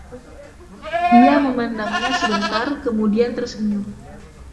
Dia memandangnya sebentar, kemudian tersenyum.